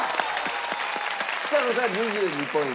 ちさ子さん２２ポイント。